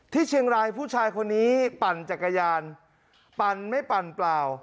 ที่เชียงรายผู้ชายคนนี้ปั่นจักรยานปั่นไม่ปั่นเปล่า